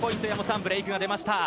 ブレイクが出ました。